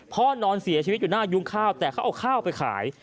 นอนเสียชีวิตอยู่หน้ายุ้งข้าวแต่เขาเอาข้าวไปขาย